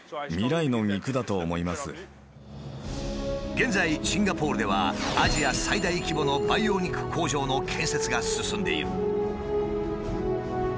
現在シンガポールではアジア最大規模の培養肉工場の建設が進んでいる。